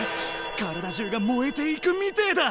体中が燃えていくみてえだ！